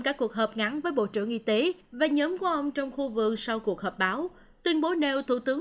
các cuộc họp ngắn với bộ trưởng y tế và nhóm của ông trong khu vườn sau cuộc họp báo tuyên bố nêu thủ tướng